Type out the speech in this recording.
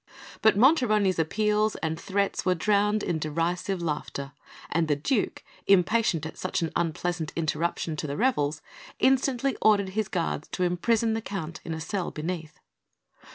But Monterone's appeals and threats were drowned in derisive laughter, and the Duke, impatient at such an unpleasant interruption to the revels, instantly ordered his guards to imprison the Count in a cell beneath.